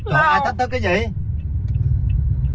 đồ ai thách thức cái gì